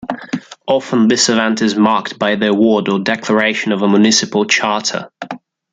Often, this event is marked by the award or declaration of a municipal charter.